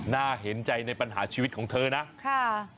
น่าเห็นใจในปัญหาชีวิตของเธอนะค่ะ